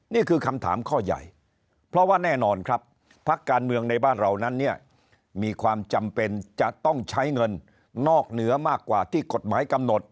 นี่คือคำถามข้อใหญ่เพราะว่าแน่นอนครับพักการเมืองในบ้านเรานั้นเนี่ยมีความจำเป็นจะต้องใช้เงินนอกเหนือมากกว่าที่กฎหมายกำหนด